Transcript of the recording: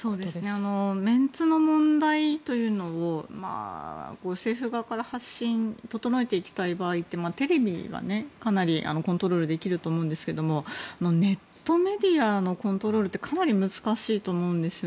メンツの問題というのを政府側から発信整えていきたい場合ってテレビはかなりコントロールができると思うんですがネットメディアのコントロールってかなり難しいと思うんです。